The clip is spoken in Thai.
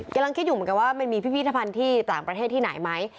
กำลังคิดอยู่เหมือนกันว่ามันมีพิพิธภัณฑ์ที่ต่างประเทศที่ไหนไหม